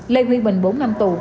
lê huy bình bốn năm tù